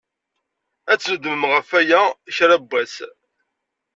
Ad tnedmem ɣef waya kra n wass.